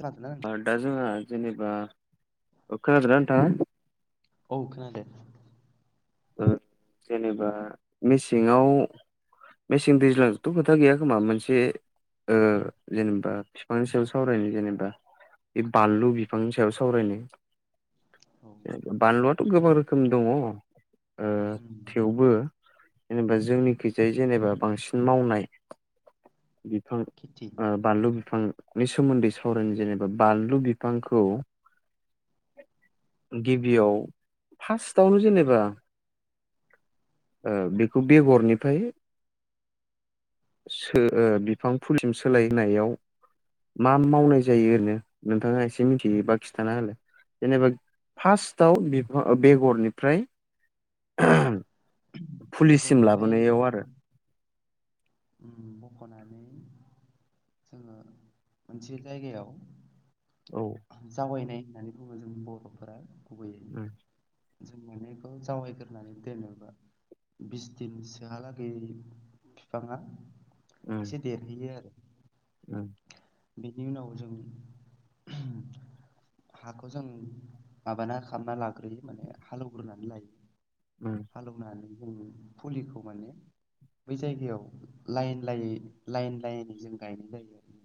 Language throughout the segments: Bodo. खोनादो नों ओ दा जोंहा जेनेबा कक्राझारानो थाङा औ खोनादो ओ जेनेबा मेसेङाव मेसें दैज्लांथ' खोथा गैया खोमा मोनसे जेनेबा बिफांनि सायाव सावरायनो जेनेबा बे औ बानलु बिफांनि सायाव औ सावरायनाय बानलुआथ' गोबां रोखोम दङ ओ उम थेवबो जेनेबा जोंनिखिजाय जेनेबा बांसिन मावनाय बिफां खेथि बानलु बिफांनि सोमोन्दै सावरायनो जेनेबा बानलु बिफांखौ गिबियाव फार्स्टआवनो जेनेबा बेखौ बेगरनिफ्राय सो ओ बिफां फुलिम सोलायनायाव मा मावनाय जायो ओरैनो नोंथाङा एसे मिथियोबा खिथाना होलाय जेनेबा फार्स्टआव बिफा बेगरनिफ्राय पुलिसिम बेगरनिफ्राय लाबोनायाव आरो। मखनानै जोङो मोनसे जायगायाव औ जावैनाय होननानै बुङो जों बर'फोरा गुबैयै उम जों माने इखौ जावायग्रोनानै दोनोबा बिस दिनसोहालागै बिफाङा उम एसे देरहैयो आरो उम बेनि उनाव जों हाखौ जों माबाना खालामना लाग्रोयो माने हालौवग्रोनानै लायो। उम हालेवनानै जों फुलिखौ माने बै जायगायाव लाइन लाइ लाइन लाइन जों गायनाय जायो आरो।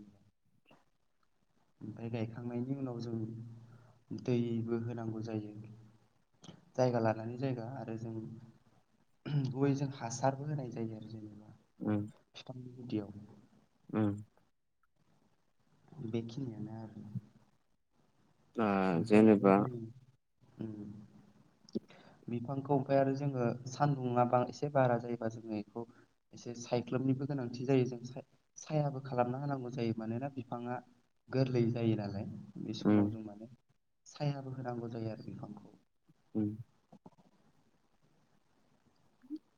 [inaudible] ओमफ्राय गायखांनायनि उनाव जों दैबो होनांगौ जायो। जायगा लानानै जायगा आरो जों गुबै जों हासारबो होनाय जायो आरो जेनेबा उम [unintelligible] बिदियाव उम बेखिनियानो आरो ना। ओ ओमफ्राय आरो जेनेबा जों उम बिफांखौ ओमफ्राय आरो जोङो सानदुंङा बां एसे बारा जायोबा जोङो बेखौ एसे सायख्लुमनिबो गोनांथि जायो जों सायाबो खालामना होनांगौ जायो मानोना बिफाङा गोरलै जायो नालाय बे उम समाव जों माने सायाबो होनांगौ जायो आरो बिफांखौ उम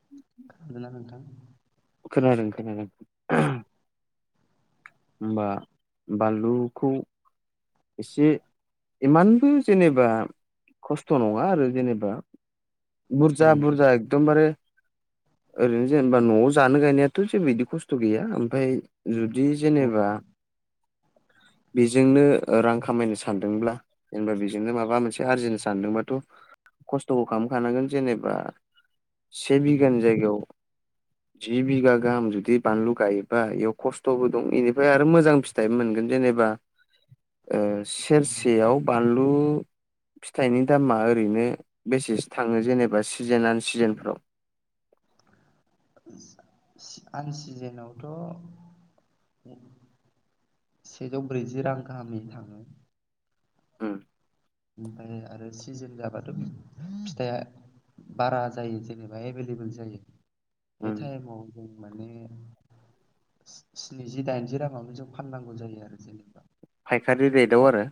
[inaudible] खोनादोंना नोंथां? खोनादों खोनादों। होनबा बानलुखौ एसे इमानबो जेनेबा खस्थ' नङा आरो जेनेबा बुरजा उम बुरजा एदम बारे ओरैनो जेनेबा न'आव जानो गायनायाथ' जेबो बिदि खस्थ' गैया ओमफ्राय जुदि औ जेनेबा बेजोंनो रां खामायनो सानदोंब्ला जेनेबा बे जोंनो माबा मोनसे आरजिनो सानदोंबाथ' खस्थ'बो खालामखानांगोन जेनेबा से उम बिगानि जायगायाव जि बिगा गाहाम जुदि बानलु गायोबा बेयाव खस्थ'बो दं इनिफ्राय आरो मोजां फिथाइ मोनगोन जेनेबा ओ सेरसेयाव बानलु फिथाइनि दामा ओरैनो बेसेसो थाङो जेनेबा सिजेन लाना सिजेनफ्राव? [unintelligible] आन सिजेनावथ' सेजौ ब्रैजि रां गाहामैनो थाङो उम। ओमफाय आरो सिजोन जाबाथ' फिथाइया बारा जायो जेनेबा एभेलेबेल जायो बे उम टाइमाव जों माने स्निजि दाइनजि रांङावनो जों फाननांगौ जायो आरो जेनेबा। फायखारि रेटआव आरो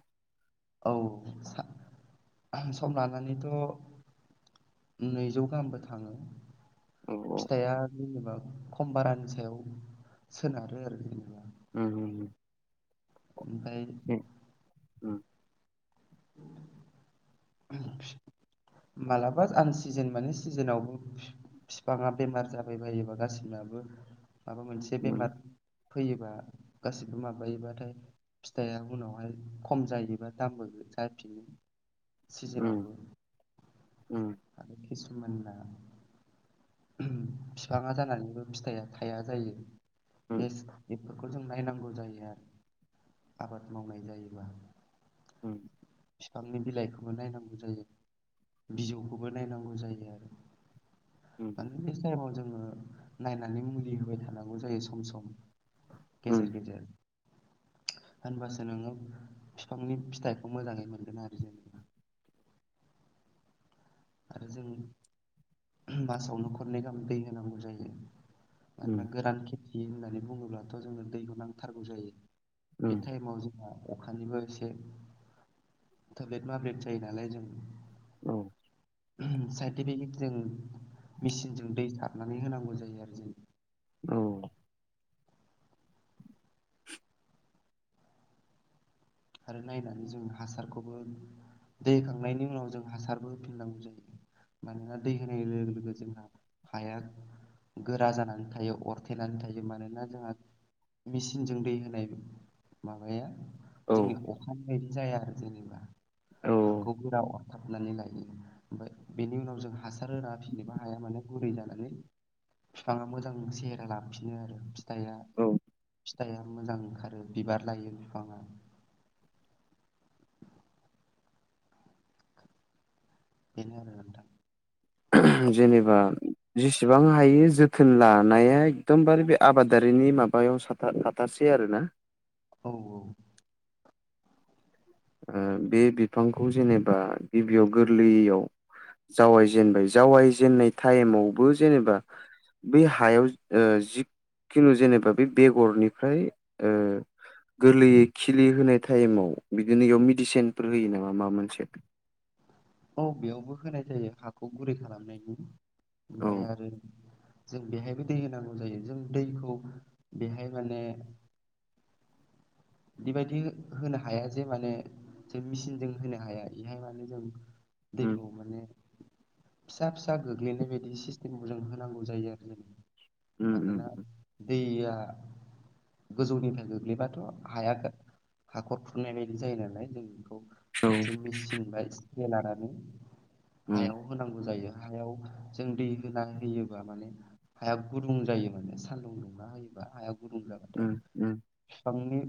औ सा सम लानानैथ' नैजौ गाहामबो थाङो। औ फिथाइया जेनेबा खम बारानि सायाव सोनारो आरो जेनेबा उम उम उम। ओमफाय उम। [unintelligible] मालाबा आन सिजेन माने सिजेनावबो फिफाङा बेमार जाबायबायोबा गासिनाबो माबा मोनसे उम बेमार फैयोबा गासिबो माबायोबाथाय फिथाइया उनावहाय खम जायोबा दामबो जाफिनो उम सिजेनावबो। उम आरो खिसुमानना फिफाङा जानानैबो फिथाइया थाया जायो। उम एस बेफोरखौ जों नायनांगौ जायो आरो आबाद मावनाय जायोबा। उम। फिफांनि बिलाइखौबो नायनांगौ जायो बिजौखौबो नायनांगौ जायो आरो। माने उम बे टाइमाव जोङो नायनानै मुलि होबाय थानांगौ जायो सम सम। गेजेर गेजेर होनबासो नोङो फिफांनि फिथाइ मोजाङै मोनगोन आरो जोंङो। आरो जों मासावनो खननै गाहाम दै होनांगौ जायो। उम मानोना गोरान खेथि होननानै बुंङोब्लाथ' जोङो दैखौ नांथारगौ जायो। बे उम टाइमाव अखानिबो एसे थोब्लेद माब्लेद जायो नालाय जों औ। साइनटिफिक जों मेचिनजों दै सारनानै होनांगौ जायो आरो जों। औ। आरो नायनानै जों हासारखौबो दै होखांनायनि उनाव जों हासारबो होफिननांगौ जायो। मानोना दै होनाय लोगो लोगो जोंहा हाया गोरा जानानै थायो अरथेनानै थायो मानोना जोंहा मेसिनजों दै होनाय माबाया जोंनि अखानि बायदि जाया आरो जेनेबा औ हाखौ गोरा अर थाबनानै लायो ओमफ्राय बेनि उनाव जों हासार होना फिसिनोबो हाया माने गुरै जानानै फिफांङा मोजां सेहेरा लाफिनो आरो। थाइया औ फिथाइया मोजां ओंखारो बिबार लायो फिफांङा। [inaudible] बेनो आरो नोंथां। [unintelligible] जेनेबा जेसेबां हायो जोथोन लानाया एकदमबारे बे आबादारिनि माबायाव सा था-थाथारसै आरोना। औ औ। ओ बे बिफांखौ जेनेबा गिबियाव गोरलैयाव जावाय जेनबाय जावाय जेननाय टाइमावबो जेनेबा बै हायाव ओ जिखनु जेनेबा बे बेगरनिफ्राय ओ गोरलैयै खिलि होनाय टाइमाव बिदिनो इयाव मेडिसिनफोर होयो नामा माबा मोनसे। औ बेयावबो होनाय जायो हाखौ गुरै खालामनायनि। औ ओमफाय आरो जों बेहायबो दै होनांगौ जायो जों दैखौ बेहाय माने बिबायदि होनो हाया जे माने जों मेसिनजों होनो हाया बेहाय माने जों दैखौ माने फिसा फिसा गोग्लैनाय बायदि सिस्टेमखौ जों होनांगौ जायो आरो जों। मानोना दैया गोजौनिफ्राय गोग्लैबाथ' हाया हाखर खुरनाय बायदि जायो नालाय जों बेखौ मोनसे मेचिन बायस बेलारानि हायाव होनांगौ जायो हायाव जों दै होना होयोबा माने हाया गुदुं जायो माने सान्दुं दुंना होयोबा हाया गुदुं जाबाथाय फिफांनि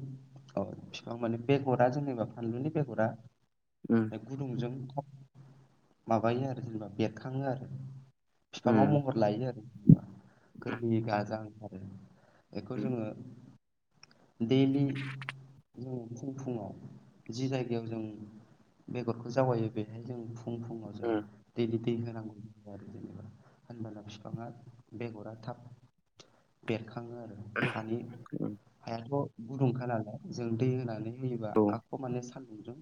अ फिफां माने बेगरा जेनेबा फानलुनि बेगरा उम। फ्राय गुदुंजों माबायो आरो जेनेबा बेरखाङो आरो। बिफाङाव महर लायो आरो जेनेबा गोरलै गाजां आरो। बेखौ जोङो दै जोंङो फुं फुङाव जि जायगायाव जों बेगरखौ जावायो बे बेहाय जों फुं फुङाव जों दैलि दै होनांगौ जायो आरो जेनेबा होनबान बिफाङा बेगरा थाब बेरखाङो आरो हानि हायाथ' गु दुंखा नालाय जों दै होनानै होयोबा आख माने सान्दुंजों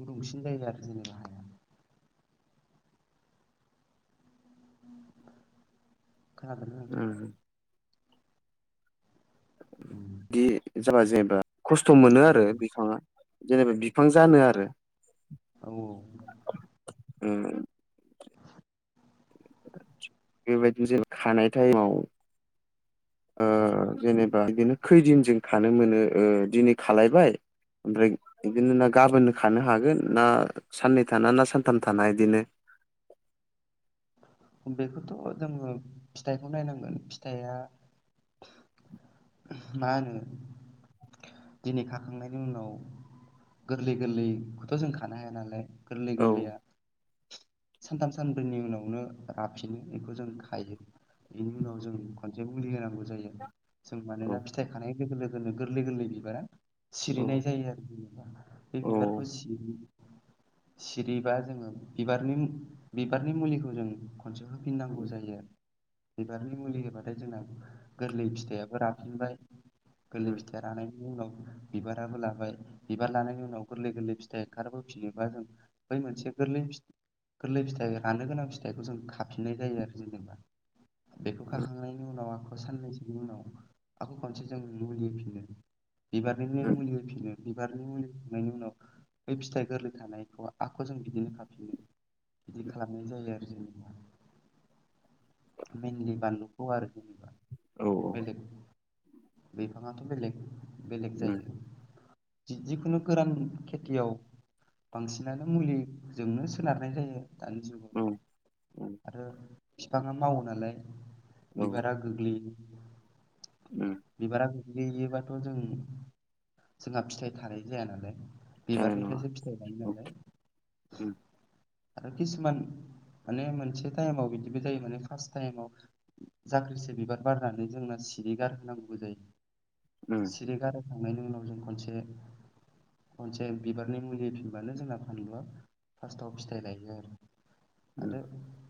गुदुंसिन जायो आरो जेनेबा हाया। खोनादोंना नोंथांङा। उम। दि जाबा जेनेबा खस्थ' मोनो आरो बिफाङा जेनेबा बिफां जानो आरो। औ औ। उम। बेबायदिन जे खानाय टाइमाव ओ जेनेबा बिदिनो खैदिन जों खानो मोनो ओ दिनै खालायबाय ओमफ्राय इदिनो ना गाबोन खानो हागोन ना साननै थाना ना सानथाम थाना इदिनो बेखौथ' जोङो फिथाइखौ नायनांगोन फिथाइया मा होनो दिनै खाखांनायनि उनाव गोरलै गोरलैखौथ' जों खानो हाया नालाय। गोरलै औ गोरलैया सानथाम सानब्रैनि उनाव नो राफिनो बेखौ जों खायो बेनि उनाव जों खनसे मुलि होनांगौ जायो जों औ मानोना फिथाइ खानाय लोगो लोगोनो गोरलै गोरलै बिबारा औ सिरिनाय जायो आरो जबा बे औ बिबारखौ सि सिरिबा जोङो बिबारनि बिबारनि मुलिखो जों खनसे होफिननांगौ उम, जायो आरो। बिबारनि मुलि होबाथाय जोंना गोरलै फिथाइाबो राफिनबाय। गोरलै उम, फिथाइया रानायनि उनाव बिबाराबो लाबाय। बिबार लानायनि उनाव गोरलै गोरलै फिथाइ ओंखारबोफियोबा जों बै मोनसे गोरलै फि गोरलै फिथाइ राननो गोनां फिथाइखौ जों खाफिननाय जायो आरो जेनेबा। बेखौ खाखांनायनि उनाव आंखौ साननैसोनि उनाव आख खनसेजों मुलि होफिनो। बिबारनिनो उम, मुलि होफिनो बिबारनि मुलि फनायनि उनाव ब फिथाइ गोरलै थानायखौ आखौ जों बिदिनो खाफिनो बिदि खालामनाय जायो आरो। ज मइनलि बानलुखौ आरो जेनेबा औ बेलेग बिफाङाथ' बेलेग बेलेग उम, जायो। जिखुनु गोरान खेथियाव बांसिनानो मुलिजोंनो सोनारनाय जायो। औ औ दानि [inaudible] औ आगलि उम। बिबारा गोल्गौयोबाथ' जों जोंहा फिथाइ थानाय जाया नालाय जानाय नङा बिबारनिफ्रायसो फि थायो औ नालाय उम आरो किसुमान माने मोनसे टाइमाव बिदिबो जायो माने फार्स्ट टाइमाव जाख्रिसे बिबार बारनानै जोंना सिरि गारहोनांगौ उम जायो सिरिगार थांनायनि उनाव जों खनसे खनसे बिबारनि मुलि फिब्लानो जोंना फानलुआ फार्स्टआव फिथाइ लायो आरो। उम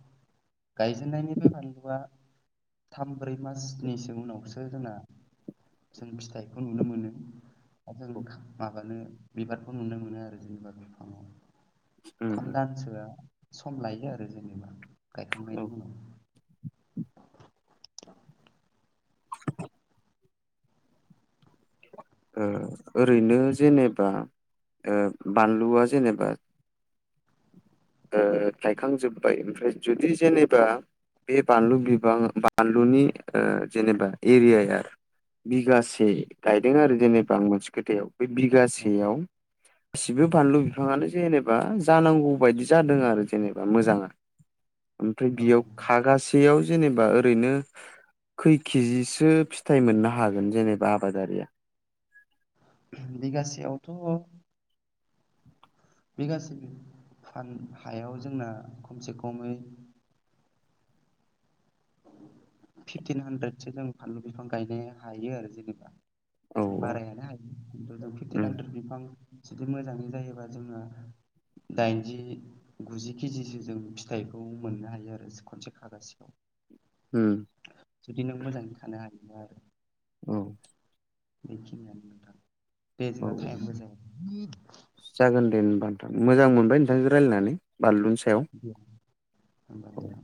[inaudible] गायजेननायनिफ्राय बानलुआ थाम ब्रै मासनिसो उनावसो जोंना [inaudible] द जों माबानो बिबारखौ नुनो मोनो आरो जेनबा बिफाङाव उम थाम उम दानसोआ सम लायो आरो जेनेबा ओ गायखांनायनि उनाव [inaudible] ओरैनो जेनेबा बानलुआ जेनेबा थायखांजोब्बाय ओमफ्राय जुदि जेनेबा बे बानलु बिबां बानलुनि जेनेबा एरियाआ बिगासे गायदों औ आरो जेनेबा आं मोनसे खोथायाव बे औ बिगासेयाव गासिबो बानलु बिफाङानो जेनेबा जानांगौ बायदि जादों आरो जेनेबा मोजाङा ओमफ्राय औ बेयाव खागासेयाव जेनेबा ओरैनो खै केिजिसो फिथाइ मोननो हागोन जेनेबा आबादारिया बिगासेयावथ' बे गासैबो फान हायाव जोंना खमसे खमै फिफटिन हानद्रेदसो जों फानलु बिफां गायनो हायो आरो जेनेबा औ बारटि उम ह्रेड बि जुदि मोजाङै जायोबा जोङो दाइनजि गुजि केजिसो जों फिथाइखौ मोननो हायो आरो खनसे खागासेयाव हम जुदि नों मोजाङै थानो हायोबा आरो। औ। बेखिनियानो नोंथां बे औ जोंहा औ टाइमबो जाया जागोन दे होमबा नोंथां मोजां मोनबाय नोंथांजों रायलायनानै बानलुनि सायाव औ होनबा